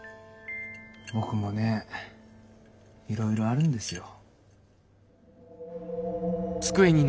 僕もねいろいろあるんですよ。